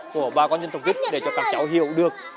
của bà con dân tộc kích để cho các cháu hiểu được